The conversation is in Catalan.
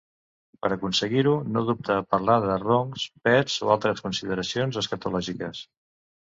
Per aconseguir-ho no dubta a parlar de roncs, pets o altres consideracions escatològiques.